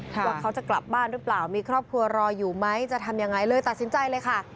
ว่าเขาจะกลับบ้านหรือเปล่ามีครอบครัวรออยู่ไหมจะทำยังไงเลยตัดสินใจเลยค่ะ